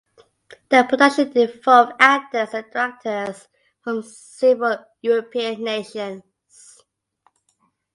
The production involved actors and directors from several European nations.